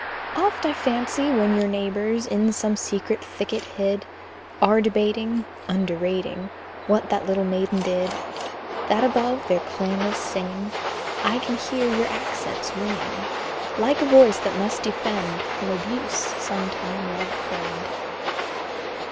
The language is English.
Oft I fancy when your neighbors, In some secret thicket hid, Are debating, Underrating What that little maiden did, That above their clam'rous singing I can hear your accents ringing, Like a voice that must defend From abuse some time loved friend.